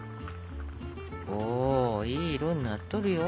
おいい色になっとるよ。